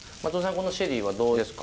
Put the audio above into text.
このシェリーはどうですか？